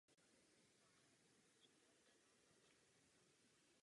Podařilo se nám dobře spolupracovat s Evropskou komisí.